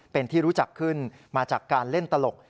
เป็นที่รู้จักขึ้นมาจากการเล่นตลก